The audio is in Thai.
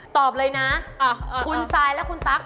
ตอบเลยนะ